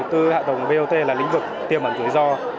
tư hạ tổng vot là lĩnh vực tiềm bằng rủi ro